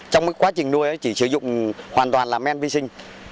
trong quá trình nuôi chỉ sử dụng hoàn toàn làm men vi sinh